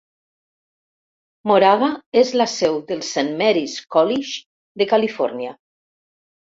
Moraga és la seu del Saint Mary's College de Califòrnia.